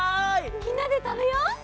みんなでたべよう！